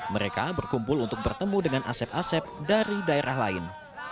mereka berkumpul untuk bertemu dengan asep asep dari daerah lain